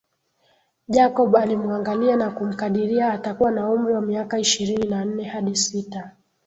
Jacob alimuangalia na kumkadiria atakuwa na umri wa miaka ishirini na nne hadi sita